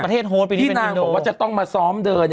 ที่นางบอกว่าจะต้องมาซ้อมเดิน